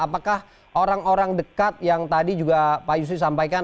apakah orang orang dekat yang tadi juga pak yusri sampaikan